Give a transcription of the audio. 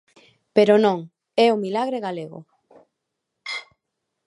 Pero non, é o milagre galego.